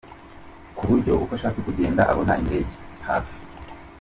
Ku buryo uko ashatse kugenda abona indege hafi.